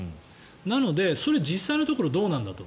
なので、それ実際のところどうなんだと。